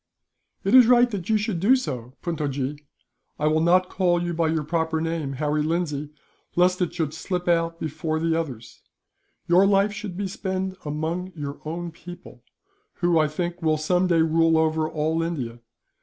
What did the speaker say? "It is right that you should do so, Puntojee I will not call you by your proper name, Harry Lindsay, lest it should slip out before others. Your life should be spent among your own people; who, I think, will some day rule over all India.